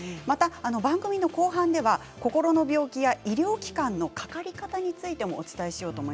番組後半では心の病気や医療機関のかかり方についてもお伝えします。